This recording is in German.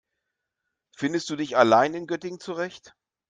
Findest du dich allein in Göttingen zurecht?